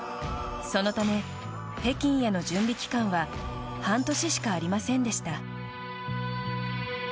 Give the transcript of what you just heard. そのため、北京への準備期間は半年しかありませんでした。